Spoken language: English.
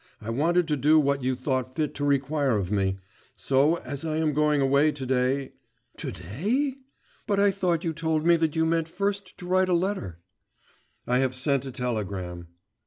I wanted to do what you thought fit to require of me. So as I am going away to day ' 'To day? But I thought you told me that you meant first to write a letter ' 'I have sent a telegram.